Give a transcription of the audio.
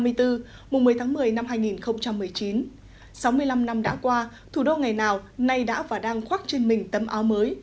mùng một mươi tháng một mươi năm hai nghìn một mươi chín sáu mươi năm năm đã qua thủ đô ngày nào nay đã và đang khoác trên mình tấm áo mới